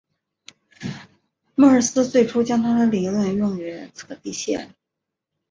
莫尔斯最初将他的理论用于测地线。